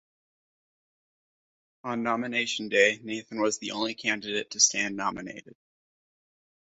On Nomination Day, Nathan was the only candidate to stand nominated.